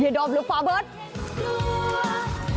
หิ่ยดอมหรือฟอเบิร์ต